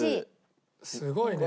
すごいね。